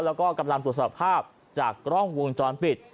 และกับตรงวงเจอสภาพจากกล้องกดช้อนปิด